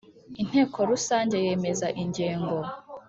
Inteko Rusange yemeza ingengo